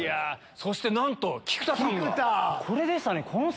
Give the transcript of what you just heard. そしてなんと菊田さんが！